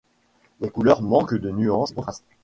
Les couleurs manquent de nuance et de contraste.